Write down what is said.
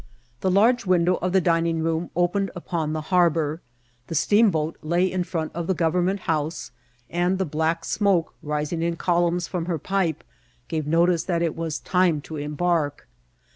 The large window of the dining room opened upon the harbour ; the steamboat lay in front of the Government House, and the black smoke, rising in columns from her pipe, gave notice that it was time to embark.